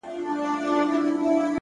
وخت د فرصتونو خاموشه خزانه ده!